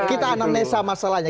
kita anamnesa masalahnya